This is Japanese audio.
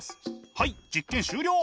はい実験終了！